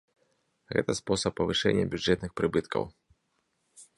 Гэта спосаб павышэння бюджэтных прыбыткаў.